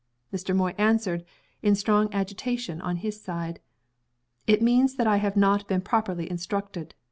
Mr. Moy answered, in strong agitation on his side. "It means that I have not been properly instructed.